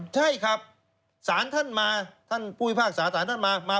ใช่ครับสารท่านมาภูมิภาคสารท่านมา